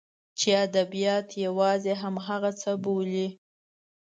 چې ادبیات یوازې همغه څه بولي.